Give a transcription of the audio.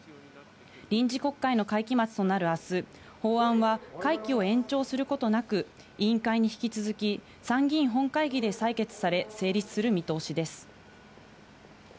臨時国会の会期末となる明日、法案は会期を延長することなく委員会に引き続き、参議院本会議で採決され、成立する見通しです。